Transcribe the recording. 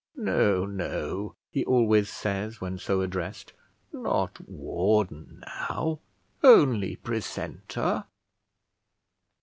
"No, no," he always says when so addressed, "not warden now, only precentor."